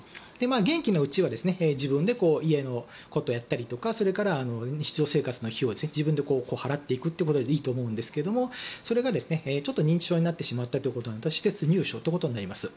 元気なうちは自分で家のことをやったりとかそれから日常生活の費用を自分で払っていくということでいいと思うんですがそれが認知症になってしまったら施設入所となります。